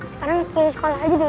sekarang pergi sekolah aja dulu